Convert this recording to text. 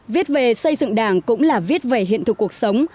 viết về xây dựng đảng cũng là viết về hiện thực cuộc sống